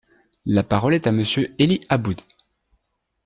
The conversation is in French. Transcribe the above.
La parole est à Monsieur Élie Aboud.